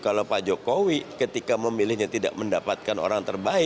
kalau pak jokowi ketika memilihnya tidak mendapatkan orang terbaik